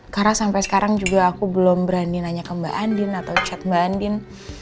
karena sampai sekarang juga aku belum berani nanya ke mbak andin atau chat mbak andin